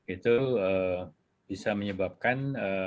itu bisa menyebabkan